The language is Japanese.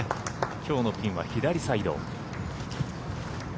きょうのピンは左サイド。